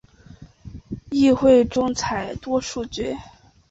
议会中采多数决。